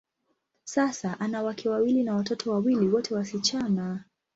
Sasa, ana wake wawili na watoto wawili, wote wasichana.